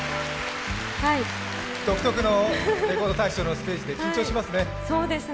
独特の「レコード大賞」のステージで緊張しますね。